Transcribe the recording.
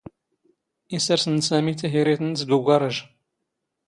ⵉⵙⵔⵙ ⵏⵏ ⵙⴰⵎⵉ ⵜⵉⵀⵉⵔⵉⵜ ⵏⵏⵙ ⴳ ⵓⴳⴰⵕⴰⵊ.